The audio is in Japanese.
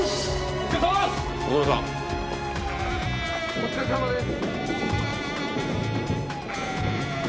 一課長お疲れさまです。